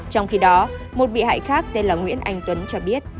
trong khi đó một bị hại khác tên là nguyễn anh tuấn cho biết